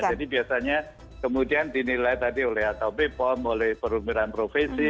jadi biasanya kemudian dinilai tadi oleh atau people oleh perumiran profesi